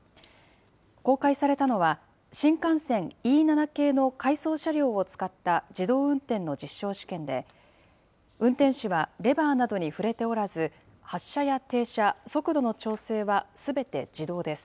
公開されたのは、新幹線Ｅ７系の回送車両を使った自動運転の実証試験で、運転士はレバーなどに触れておらず、発車や停車、速度の調整はすべて自動です。